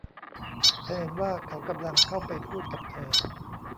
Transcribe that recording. ฉันเห็นว่าเขากำลังเข้าไปพูดกับเธอ